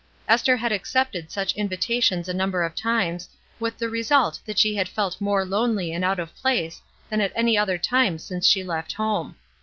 Esther had accepted such invita tions a number of times, with the result that she had felt more lonely and out of place than at any other time since she left home.